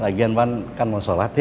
lagian ban kan mau sholat ya